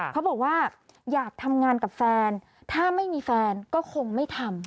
เขาบอกว่าอยากทำงานกับแฟนถ้าไม่มีแฟนก็คงไม่ทำ